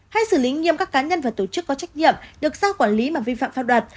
hay xử lý nghiêm các cá nhân và tổ chức có trách nhiệm được giao quản lý mà vi phạm pháp luật